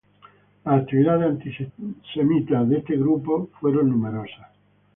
Las actividades antisemitas de este grupo fueron numerosas.